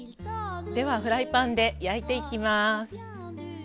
ではフライパンで焼いていきます。